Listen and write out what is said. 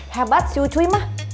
hebat sih ucuy mah